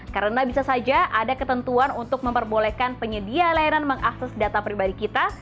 karena bisa saja ada ketentuan untuk memperbolehkan penyedia layanan mengakses data pribadi kita